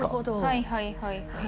はいはいはいはい。